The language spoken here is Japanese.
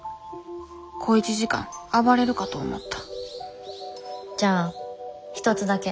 小一時間暴れるかと思ったじゃあ一つだけ。